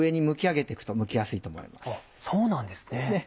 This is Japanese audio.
あっそうなんですね。